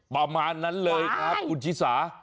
ประมาณนั้นเลยครับคุณชิสา